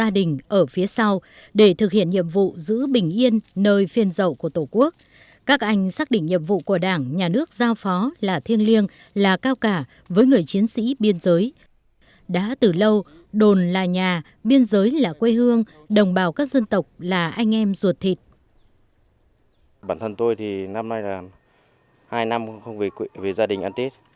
đồng bào các dân tộc là anh em ruột thịt